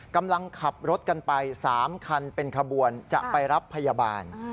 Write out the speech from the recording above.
กำลังขับรถกันไป๓คันเป็นขบวนจะไปรับพยาบาล